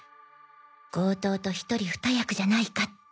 強盗と一人二役じゃないかって。